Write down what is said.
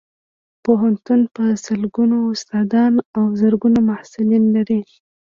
پوهنتون په لسګونو استادان او زرګونه محصلین لري